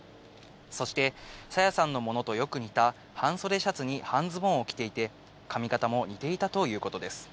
そして朝芽さんのものとよく似た半袖シャツに半ズボンを着ていて、髪形も似ていたということです。